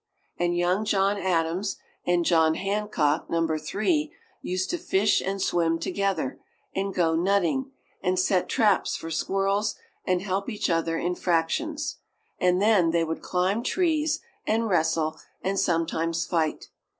And young John Adams and John Hancock (Number Three) used to fish and swim together, and go nutting, and set traps for squirrels, and help each other in fractions. And then they would climb trees, and wrestle, and sometimes fight.